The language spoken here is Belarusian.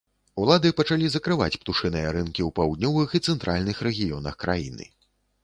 Улады пачалі закрываць птушыныя рынкі ў паўднёвых і цэнтральных рэгіёнах краіны.